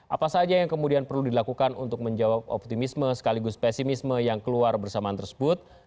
apa saja yang kemudian perlu dilakukan untuk menjawab optimisme sekaligus pesimisme yang keluar bersamaan tersebut